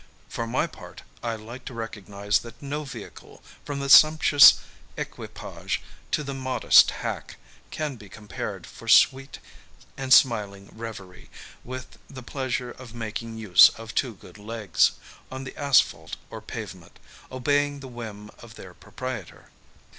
For my part, I like to recognize that no vehicle, from the sumptuous equipage to the modest hack, can be compared, for sweet and smiling reverie, with the pleasure of making use of two good legs, on the asphalt or pavement, obeying the whim of their pro prietor.